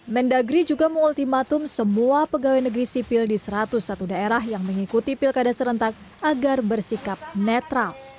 mendagri juga mengultimatum semua pegawai negeri sipil di satu ratus satu daerah yang mengikuti pilkada serentak agar bersikap netral